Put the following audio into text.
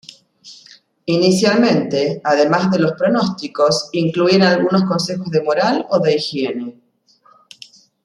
Inicialmente, además de los pronósticos, incluían algunos consejos de moral o de higiene.